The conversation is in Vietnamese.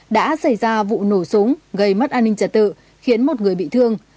đã xảy ra vụ nổ súng gây mất an ninh trật tự khiến một người bị thương